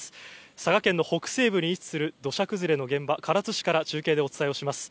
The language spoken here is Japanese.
佐賀県の北西部に位置する土砂崩れの現場、唐津市から中継でお伝えします。